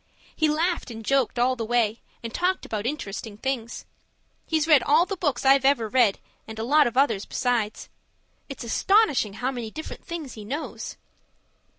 He laughed and joked all the way and talked about interesting things. He's read all the books I've ever read, and a lot of others besides. It's astonishing how many different things he knows.